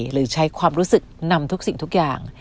หรือใช้ความรู้สึกนำทุกสิ่งทุกอย่าง